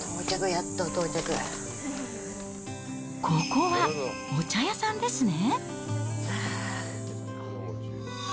ここはお茶屋さんですね。